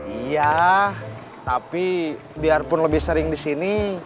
iya tapi biarpun lebih sering di sini